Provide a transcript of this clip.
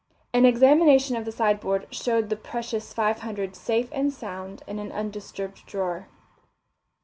An examination of the sideboard showed the precious five hundred safe and sound in an undisturbed drawer.